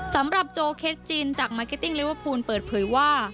สำหรับโจเคสจีนจากมาร์เก็ตติ้งลิเวอร์พูลเปิดเผยว่า